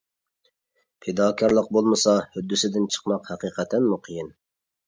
پىداكارلىق بولمىسا، ھۆددىسىدىن چىقماق ھەقىقەتەنمۇ قىيىن.